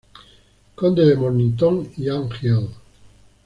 Conde de Mornington y Anne Hill.